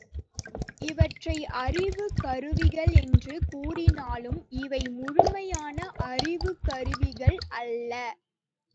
இவற்றை அறிவுக் கருவிகள் என்று கூறினாலும் இவை முழுமையான அறிவுக்கருவிகள் அல்ல.